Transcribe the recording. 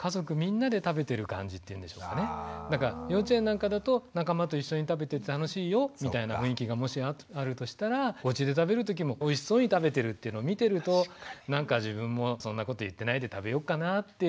そこをちょっとこう幼稚園なんかだと仲間と一緒に食べて楽しいよみたいな雰囲気がもしあるとしたらおうちで食べる時もおいしそうに食べてるっていうのを見てるとなんか自分もそんなこと言ってないで食べようかなって。